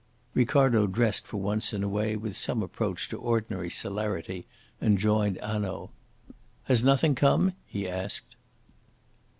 Ricardo dressed for once in a way with some approach to ordinary celerity, and joined Hanaud. "Has nothing come?" he asked.